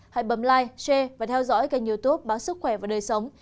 hãy bấm like share và theo dõi kênh youtube báo sức khỏe và đời sống